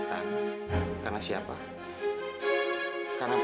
kak lena jangan kak